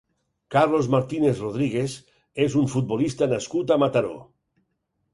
Carlos Martínez Rodríguez és un futbolista nascut a Mataró.